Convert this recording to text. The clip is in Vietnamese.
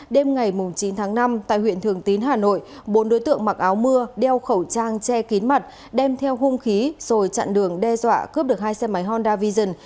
đêm ngày chín tháng năm tại huyện thường tín hà nội bốn đối tượng mặc áo mưa đeo khẩu trang che kín mặt đem theo hung khí rồi chặn đường đe dọa cướp được hai xe máy honda vision